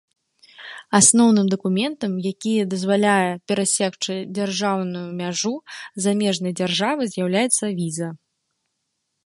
Асноўным дакументам, якія дазваляе перасекчы дзяржаўную мяжу замежнай дзяржавы, з'яўляецца віза.